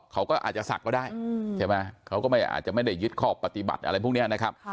เขาก็อาจจะศักดิ์ก็ได้ใช่ไหมเขาก็ไม่อาจจะไม่ได้ยึดข้อปฏิบัติอะไรพวกนี้นะครับ